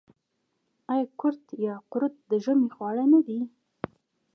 آیا کورت یا قروت د ژمي خواړه نه دي؟